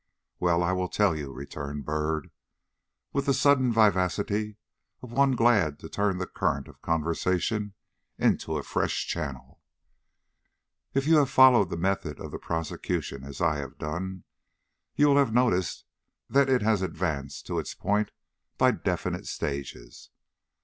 "Well I will tell you," returned Byrd, with the sudden vivacity of one glad to turn the current of conversation into a fresh channel. "If you have followed the method of the prosecution as I have done, you will have noticed that it has advanced to its point by definite stages.